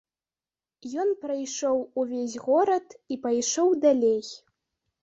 Ён прайшоў увесь горад і пайшоў далей.